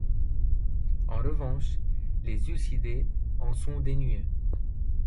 En revanche, les ursidés en sont dénués.